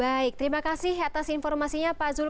baik terima kasih atas informasinya pak zul